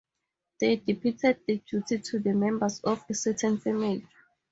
They deputed the duty to the members of a certain family.